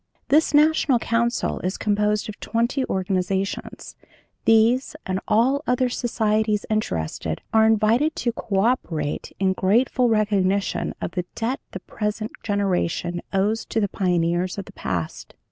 "'This National Council is composed of twenty organizations; these and all other societies interested are invited to co operate in grateful recognition of the debt the present generation owes to the pioneers of the past.